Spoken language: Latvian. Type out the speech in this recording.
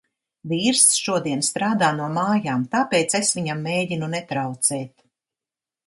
Vīrs šodien strādā no mājām, tāpēc es viņam mēģinu netraucēt.